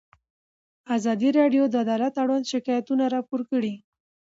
ازادي راډیو د عدالت اړوند شکایتونه راپور کړي.